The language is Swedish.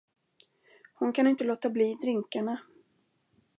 Hon kan inte låta bli drinkarna.